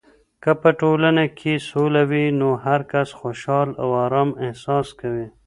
که په ټولنه کې سوله وي، نو هرکس خوشحال او ارام احساس کوي.